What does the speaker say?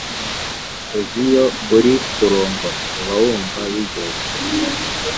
Uziyo uri kurongora uba wumva biryoshye